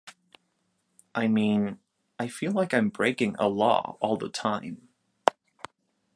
I mean, I feel like I'm breaking a law all the time.